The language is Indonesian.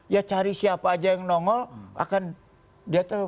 ya cari siapa aja yang nongol akan jatuh